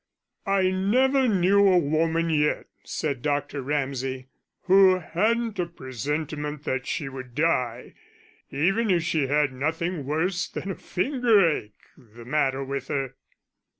"I never knew a woman yet," said Dr. Ramsay, "who hadn't a presentiment that she would die, even if she had nothing worse than a finger ache the matter with her."